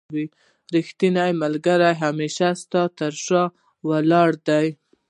رښتينی ملګری هميشه ستا تر شا ولاړ دی